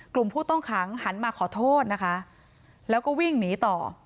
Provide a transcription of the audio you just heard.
ผู้ต้องขังหันมาขอโทษนะคะแล้วก็วิ่งหนีต่อ